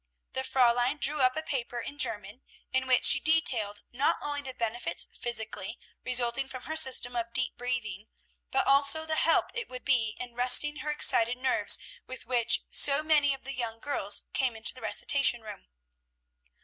The Fräulein drew up a paper in German, in which she detailed not only the benefits physically resulting from her system of deep breathing, but also the help it would be in resting the excited nerves with which so many of the young girls came into the recitation room.